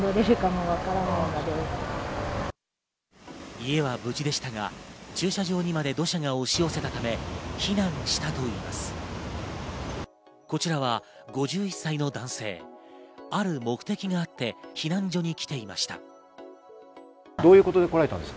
家は無事でしたが駐車場にまで土砂が押し寄せたため避難したといいます。